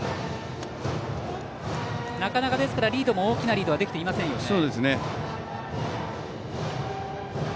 なかなかリードも大きなリードはできていませんね。